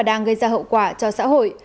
súng săn tự chế đang gây ra hậu quả cho xã hội